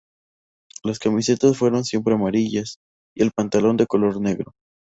Las camisetas fueron siempre amarillas y el pantalón de color negro.